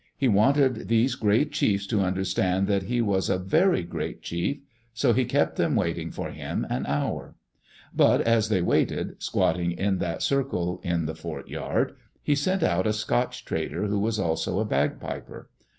He wanted diese great chiefs to understand diat he was a very great chief — so he kept them waiting for him an hour. But as they waited, squatting in that circle in the fort yard, he sent out a Scotch trader, who was also a bagpiper.